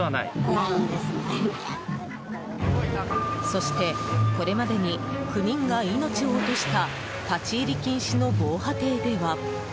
そして、これまでに９人が命を落とした立ち入り禁止の防波堤では。